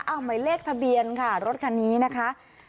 เอาหมายเลขทะเบียนค่ะรถคันนี้นะคะ